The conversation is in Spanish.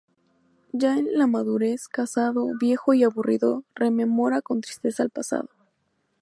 Ya en la madurez, casado, viejo y aburrido, rememora con tristeza el pasado.